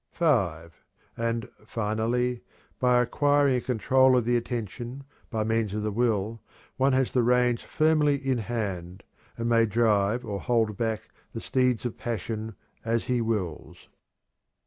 (5) And, finally, by acquiring a control of the attention, by means of the will, one has the reins firmly in hand, and may drive or hold back the steeds of passion as he wills.